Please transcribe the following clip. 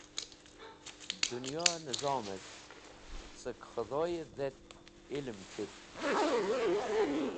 Dẽnyo nẽzomẽs̃h sẽk khẽdhoy dhet ilm chit.